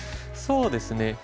そうですね